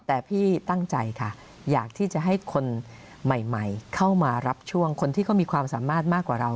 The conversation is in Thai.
แต่พี่ตั้งใจค่ะอยากที่จะให้คนใหม่เข้ามารับช่วงคนที่เขามีความสามารถมากกว่าเรา